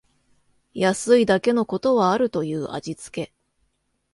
安いだけのことはあるという味つけ